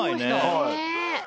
はい。